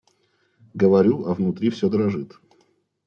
Говорю, а внутри все дрожит.